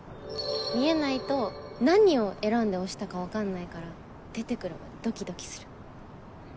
見えないと何を選んで押したか分かんないから出て来るまでドキドキする。